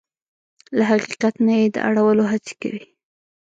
له حقیقت نه يې د اړولو هڅې کوي.